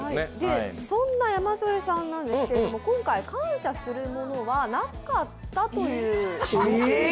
そんな山添さんなんですけれども、今回、感謝するものはなかったということです。